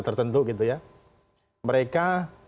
tertentu gitu ya mereka